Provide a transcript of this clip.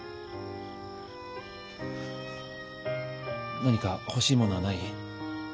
・何か欲しいものはない？